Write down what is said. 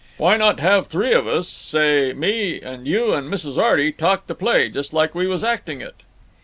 "Why not have three of us—say me and you and Mrs. Arty—talk the play, just like we was acting it?"